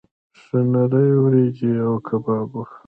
ښې نرۍ وریجې او کباب وو.